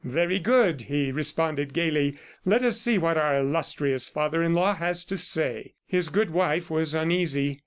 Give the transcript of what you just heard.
"Very good!" he responded gaily. "Let us see what our illustrious father in law has to say." His good wife was uneasy.